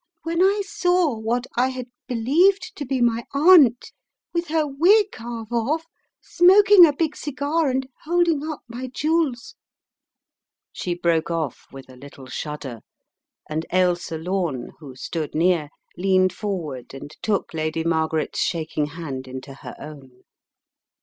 When I saw what I had be lieved to be my aunt, with her wig half off, smoking a big cigar and holding up my jewels " She broke off with a little shudder and Ailsa Lome, who stood near, leaned forward and took Lady Margaret's shaking hand into her own.